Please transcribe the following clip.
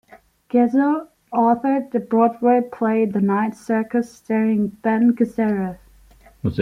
Gazzo authored the Broadway play "The Night Circus" starring Ben Gazzara.